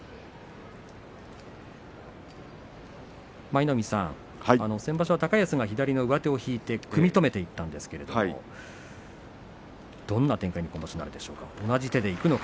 舞の海さん、先場所は高安が左の上手を引いて組み止めていったんですけれどもどんな展開に今場所なるでしょうか。